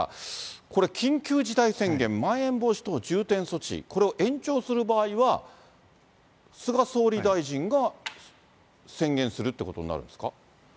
これ、緊急事態宣言、まん延防止等重点措置、これを延長する場合は、菅総理大臣が宣言するってことになるんですか？